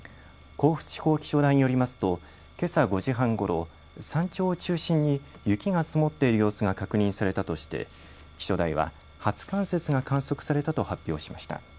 甲府地方気象台によりますとけさ５時半ごろ、山頂を中心に雪が積もっている様子が確認されたとして気象台は初冠雪が観測されたと発表しました。